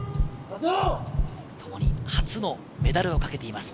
ともに初のメダルを懸けています。